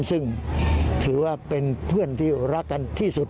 ซึ่งถือว่าเป็นเพื่อนที่รักกันที่สุด